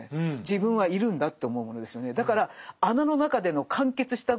自分はいるんだと思うものですよね。